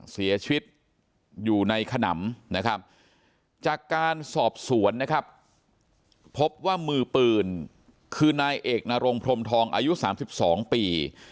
เสียชีวิตอยู่ในขนำนะครับจากการสอบสวนนะครับพบว่ามือปืนคือนายเอกนรงพรมทองอายุ๓๒ปี